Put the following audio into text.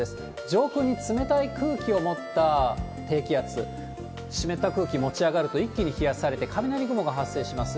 上空に冷たい空気を持った低気圧、湿った空気持ち上がると、一気に冷やされて、雷雲が発生します。